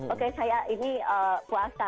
oke saya ini puasa